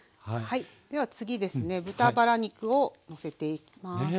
では次ですね豚バラ肉をのせていきます。